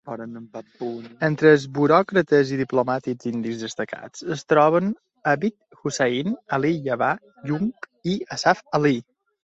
Entre els buròcrates i diplomàtics indis destacats es troben Abid Hussain, Ali Yavar Jung i Asaf Ali.